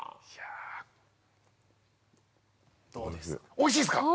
おいしいですか？